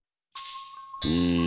うん。